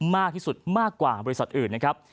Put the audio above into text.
มากที่สุดมากกว่าบริษัทอื่นนะครับ